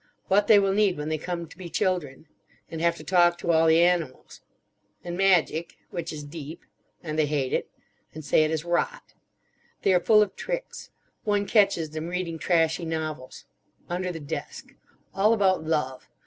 What they will need when they come to be children. And have to talk to all the animals. And magic. Which is deep. And they hate it. And say it is rot. They are full of tricks. One catches them reading trashy novels. Under the desk. All about love.